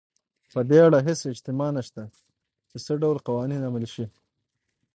په دې اړه هېڅ اجماع نشته چې څه ډول قوانین عملي شي.